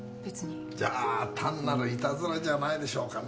じゃあ単なるいたずらじゃないでしょうかね。